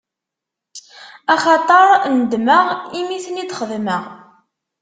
Axaṭer nedmeɣ imi i ten-id-xedmeɣ.